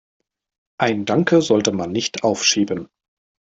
Ein Danke sollte man nicht aufschieben.